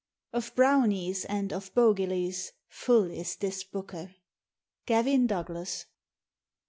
u Of Brownyis and of Bogilis full is this Buke." — Gtawik Douglas.